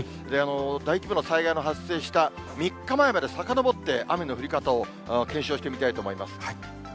大規模な災害の発生した３日前までさかのぼって雨の降り方を検証してみたいと思います。